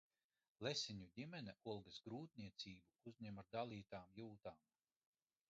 Lesiņu ģimene Olgas grūtniecību uzņem ar dalītām jūtām.